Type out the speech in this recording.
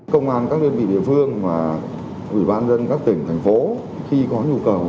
công an các đơn vị địa phương và ủy ban dân các tỉnh thành phố khi có nhu cầu